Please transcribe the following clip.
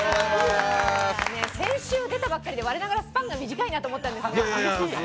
先週出たばっかりで我ながらスパンが短いなと思ったんですが。